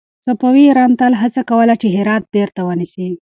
صفوي ایران تل هڅه کوله چې هرات بېرته ونيسي.